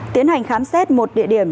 tiến hành khám xét một địa điểm